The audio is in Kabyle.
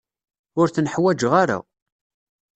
Ur ten-ḥwajeɣ ara.